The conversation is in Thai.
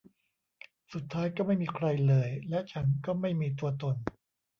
สุดท้าย ก็ไม่มีใครเลย และฉันก็ไม่มีตัวตน